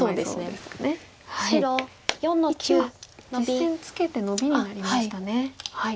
実戦ツケてノビになりましたね。